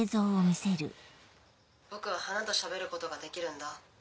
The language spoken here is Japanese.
僕は花と喋ることができるんだ。